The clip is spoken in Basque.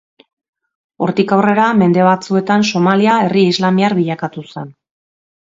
Hortik aurrera, mende batzuetan Somalia herri islamiar bilakatu zen.